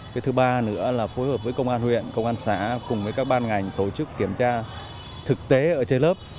cái thứ ba nữa là phối hợp với công an huyện công an xã cùng với các ban ngành tổ chức kiểm tra thực tế ở trên lớp